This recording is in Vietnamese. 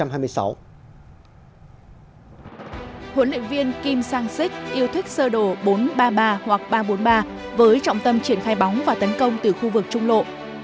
huấn luyện viên kim sang sik yêu thích sơ đổ bốn ba ba hoặc ba bốn ba với trọng tâm triển khai bóng và tấn công từ khu vực trung lộ